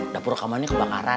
dapur rekamannya kebakaran